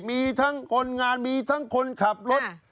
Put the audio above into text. มีทั้งคนงานมีทั้งคนขับรถ